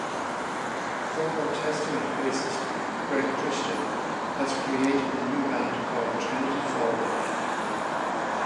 Former Testament bassist Greg Christian has created a new band called Trinity Fallen.